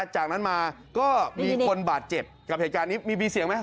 จากนั้นมาก็มีคนบาดเจ็บกับเหตุการณ์นี้มีเสียงไหม